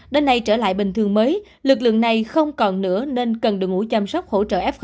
đến nay trở lại bình thường mới lực lượng này không còn nữa nên cần được ngủ chăm sóc hỗ trợ f